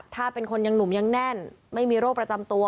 ถ้าเป็นคนยังหนุ่มยังแน่นไม่มีโรคประจำตัว